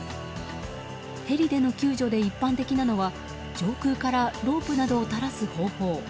ヘリでの救助で一般的なのは上空からロープなどを垂らす方法。